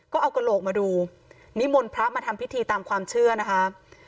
ก็เอากระโหลกมาดูนิมนต์พระมาทำพิธีตามความเชื่อนะคะ